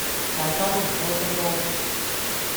大家都唔開心囉!